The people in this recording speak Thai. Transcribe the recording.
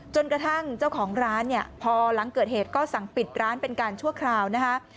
จนกระทั่งเจ้าของร้านเนี่ยพอหลังเกิดเหตุก็สั่งปิดร้านเป็นการชั่วคราวนะคะ